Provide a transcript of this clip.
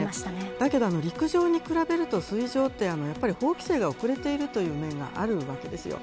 だけど、陸上に比べると水上って法規制が遅れているという面があるわけです。